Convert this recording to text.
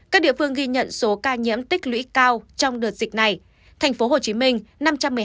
các địa phương ghi nhận số ca nhiễm tích lũy cao trong đợt dịch này